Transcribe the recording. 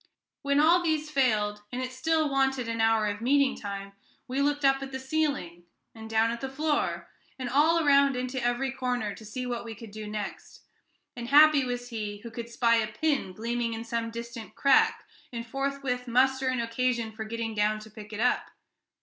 When all these failed, and it still wanted an hour of meeting time, we looked up at the ceiling, and down at the floor, and all around into every corner, to see what we could do next; and happy was he who could spy a pin gleaming in some distant crack, and forthwith muster an occasion for getting down to pick it up.